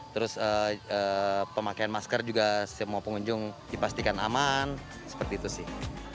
terus pemakaian masker juga semua pengunjung dipastikan aman seperti itu sih